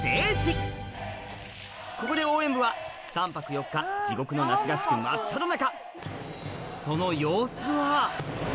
ここで応援部は３泊４日地獄の夏合宿真っただ中